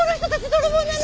泥棒なの！